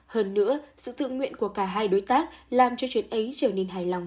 hơn nữa sự tự nguyện của cả hai đối tác làm cho chuyện ấy trở nên hài lòng